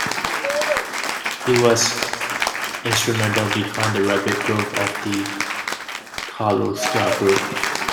He was instrumental behind the rapid growth of the Kirloskar Group.